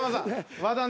和田ね。